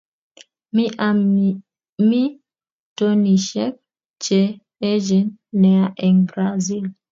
Mi townisiek che echen nea eng Brazil